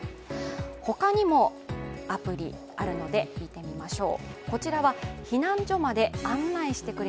他にもアプリあるので見てみましょう。